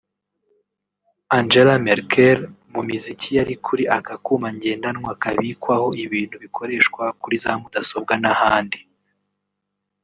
Angela Merkel…Mu miziki yari kuri aka kuma ngendanwa kabikwaho ibintu bikoreshwa kuri za mudasobwa n’ahandi